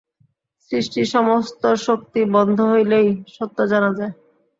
সৃষ্টির সমস্ত শক্তি বন্ধ হইলেই সত্য জানা যায়।